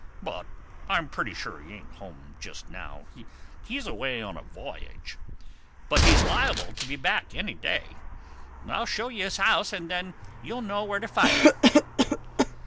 "But I'm pretty sure he ain't home just now. He's away on a voyage. But he's liable to be back any day. I'll show you his house and then you'll know where to find him."